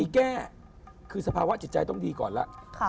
แก้คือสภาวะจิตใจต้องดีก่อนแล้ว